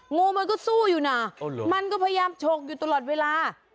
งูมันก็สู้อยู่นะมันก็พยายามฉกอยู่ตลอดเวลา